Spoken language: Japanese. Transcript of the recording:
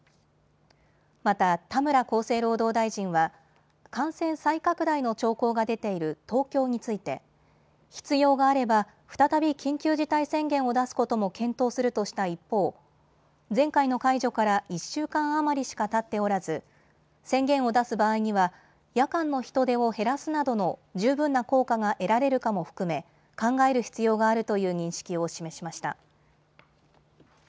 また、田村厚生労働大臣は感染再拡大の兆候が出ている東京について必要があれば再び緊急事態宣言を出すことも検討するとした一方、前回の解除から１週間余りしかたっておらず宣言を出す場合には夜間の人出を減らすなどの十分な効果が得られるかも含め考える必要があるという認識を示しました。